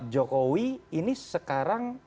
jokowi ini sekarang